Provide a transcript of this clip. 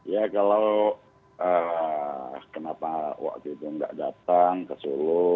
ya kalau kenapa waktu itu nggak datang ke solo